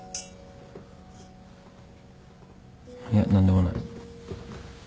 いや何でもない。